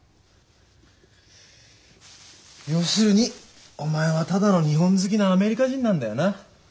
要するにお前はただの日本好きのアメリカ人なんだよな。